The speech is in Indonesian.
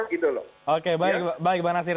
gitu loh oke baik bang nasir